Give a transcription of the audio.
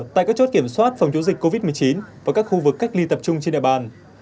tại các chốt kiểm soát phòng chống dịch covid một mươi chín và các khu vực cách ly tập trung trên địa bàn